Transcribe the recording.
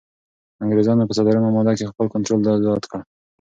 انګریزانو په څلورمه ماده کي خپل کنټرول زیات کړ.